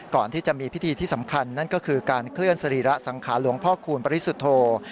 ก่อนที่จะมีพิธีที่สำคัญนั้นคือการเคลื่อนสรีระสังคาหลวงพ่อครูพระฤทธิ์ธรรม